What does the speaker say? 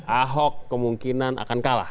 ahok kemungkinan akan kalah